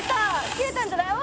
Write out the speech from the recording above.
切れたんじゃない？